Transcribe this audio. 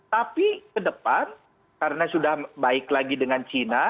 tapi ke depan karena sudah baik lagi dengan cina